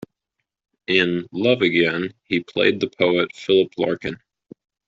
In "Love Again", he played the poet Philip Larkin.